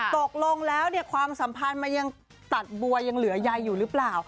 ตกลงแล้วความสัมพันธ์มันยังตัดบัวยังเหลือใยอยู่หรือเปล่า